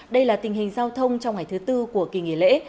đây là tình hình giao thông trong ngày thứ tư của kỳ nghỉ lễ